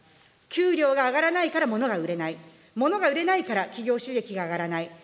給料が上がらないからものが売れない、ものが売れないから企業収益が上がらない。